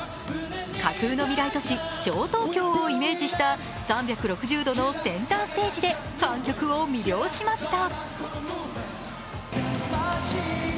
架空の未来都市・超東京をイメージした３６０度のセンターステージで観客を魅了しました。